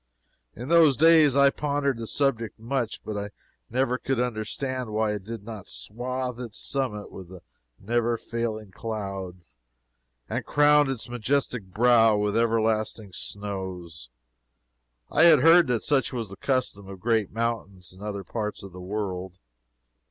In those days I pondered the subject much, but I never could understand why it did not swathe its summit with never failing clouds, and crown its majestic brow with everlasting snows. I had heard that such was the custom of great mountains in other parts of the world.